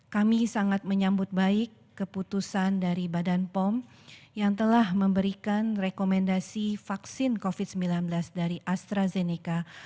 kami sangat menyambut baik keputusan dari badan pom yang telah memberikan rekomendasi vaksin covid sembilan belas dari astrazeneca